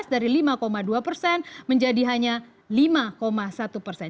dari lima dua persen menjadi hanya lima satu persen